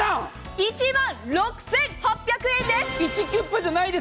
１万６８００円。